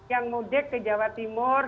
yang mudik ke jawa timur